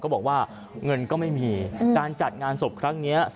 บอกว่าเงินก็ไม่มีการจัดงานศพครั้งนี้